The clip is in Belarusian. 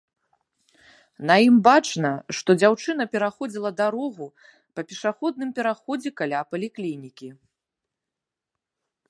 На ім бачна, што дзяўчына пераходзіла дарогу па пешаходным пераходзе каля паліклінікі.